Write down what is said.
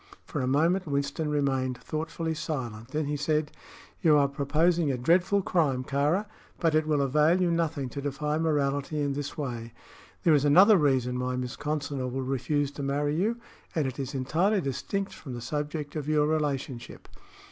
For a moment Winston remained thoughtfully silent. Then he said: "You are proposing a dreadful crime, Kāra, but it will avail you nothing to defy morality in this way. There is another reason why Miss Consinor will refuse to marry you, and it is entirely distinct from the subject of your relationship."